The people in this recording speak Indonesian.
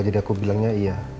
jadi aku bilangnya iya